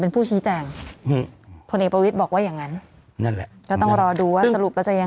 เป็นผู้ชี้แจ่งพลเอกประวิทย์บอกว่าอย่างนั้นต้องรอดูว่าสรุปจะยังไง